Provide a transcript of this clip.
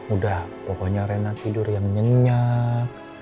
udah pokoknya renat tidur yang nyenyak